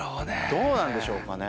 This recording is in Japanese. どうなんでしょうかね。